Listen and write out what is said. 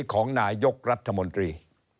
ของนายกรัฐมนตรี